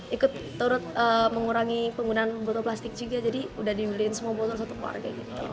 ikut turut mengurangi penggunaan botol plastik juga jadi udah dibeliin semua botol satu keluarga